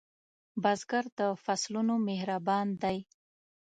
بزګر د فصلونو مهربان دی